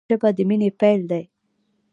ژبه د مینې پیل دی